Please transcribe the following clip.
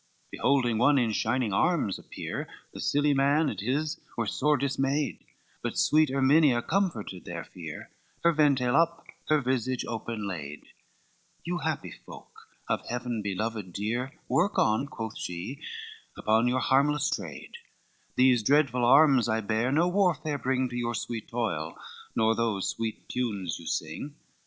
VII Beholding one in shining Arms appear, The seely man and his were sore dismay'd; But sweet Erminia comforted their fear, Her vental up, her visage open laid; You happy folk, of heav'n beloved dear, Work on, quoth she, upon your harmless trade; These dreadful arms, I bear, no warfare bring To your sweet toil, nor those sweet tunes you sing.